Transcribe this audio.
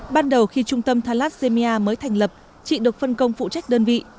ban đầu khi trung tâm thalassemia mới thành lập chị được phân công phụ trách đơn vị